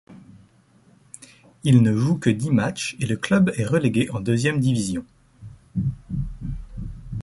Il ne joue que dix matchs et le club est relégué en deuxième division.